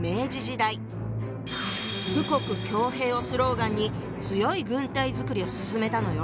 「富国強兵」をスローガンに強い軍隊作りを進めたのよ。